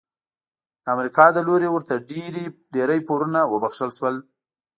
د امریکا له لوري ورته ډیری پورونه وبخښل شول.